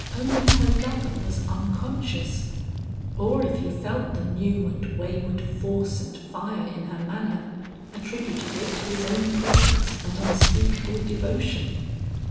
Only her lover was unconscious, or if he felt the new and wayward force and fire in her manner, attributed it to his own presence and unspeakable devotion.